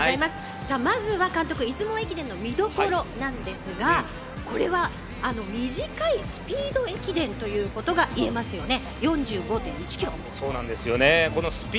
まずは監督出雲駅伝の見どころなんですがこれは短いスピード駅伝ということがいえますよね。